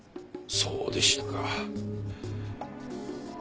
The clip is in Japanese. そうでしたか。